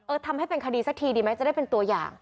ทำให้เป็นคดีสักทีดีไหมจะได้เป็นตัวอย่าง